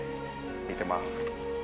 見てます。